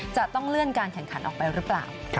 จะต้องเลื่อนการแข่งขันออกไปหรือเปล่า